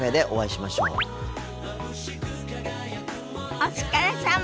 お疲れさま。